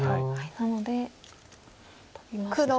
なのでトビましたね。